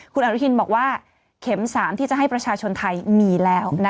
คุณอนุทินบอกว่าเข็ม๓ที่จะให้ประชาชนไทยมีแล้ว